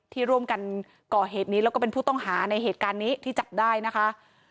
ที่ร่วมกันก่อเหตุนี้แล้วก็เป็นผู้ต้องหาในเหตุการณ์นี้ที่จับได้นะคะ